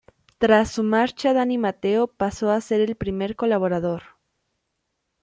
Tras su marcha Dani Mateo pasó a ser el primer colaborador.